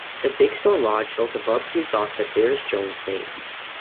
The Big Stone Lodge sells a barbecue sauce that bears Jones' name.